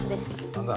何だ？